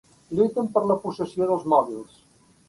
Lluiten per la possessió dels mòbils.